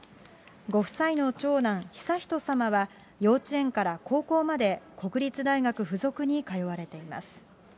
ご夫妻の長男、悠仁さまは幼稚園から高校まで国立大学附属に通われています。